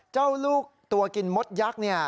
เจ้าลูกตัวกินมดยักษ์เนี่ย